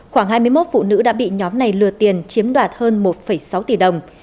khoảng hai mươi một phụ nữ đã bị nhóm này lừa tiền chiếm đoạt hơn một sáu tỷ đồng